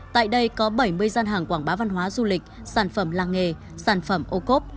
tại đây có bảy mươi gian hàng quảng bá văn hóa du lịch sản phẩm làng nghề sản phẩm ô cốp